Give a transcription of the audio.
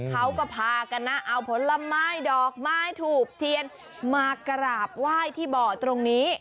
เขาก็พากันนะเอาผลไม้ดอกไม้ถูกเทียนมากราบไหว้ที่บ่อตรงนี้